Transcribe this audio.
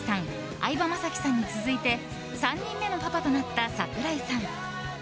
相葉雅紀さんに続いて３人目のパパとなった櫻井さん。